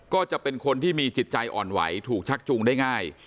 ก็จะเป็นคนที่มีจิตใจอ่อนไหวถูกชักจูงได้ง่าย